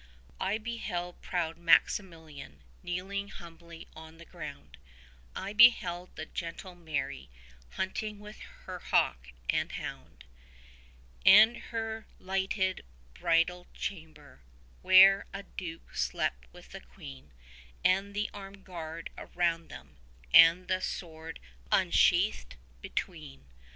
I beheld proud Maximilian, kneeling humbly on the ground; 25 I beheld the gentle Mary, hunting with her hawk and hound; And her lighted bridal chamber, where a duke slept with the queen, And the armèd guard around them, and the sword unsheathed between.